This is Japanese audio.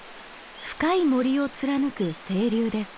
深い森を貫く清流です。